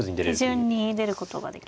手順に出ることができますね。